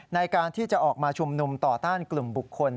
ในการที่จะออกมาชุมนุมต่อต้านกลุ่มบุคคล